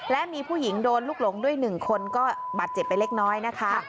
และมีผู้หญิงโดนลูกหลงด้วย๑คนก็บาดเจ็บไปเล็กน้อยนะคะ